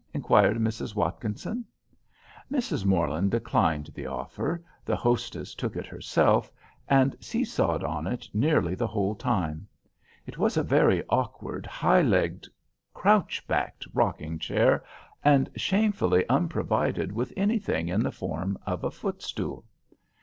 inquired Mrs. Watkinson. Mrs. Morland declining the offer, the hostess took it herself, and see sawed on it nearly the whole time. It was a very awkward, high legged, crouch backed rocking chair, and shamefully unprovided with anything in the form of a footstool.